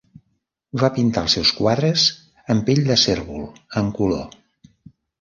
Va pintar els seus quadres en pell de cérvol en color.